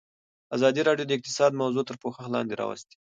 ازادي راډیو د اقتصاد موضوع تر پوښښ لاندې راوستې.